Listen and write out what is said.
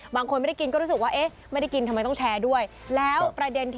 บางคนไม่ได้กินก็รู้สึกว่าเอ๊ะไม่ได้กินน่าจะแชร์ด้วย